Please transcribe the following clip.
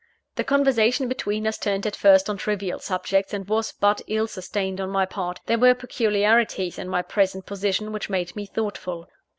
The conversation between us turned at first on trivial subjects, and was but ill sustained on my part there were peculiarities in my present position which made me thoughtful.